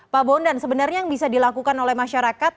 pak bondan sebenarnya yang bisa dilakukan oleh masyarakat